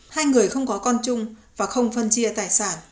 hai người không có con chung và không phân chia tài sản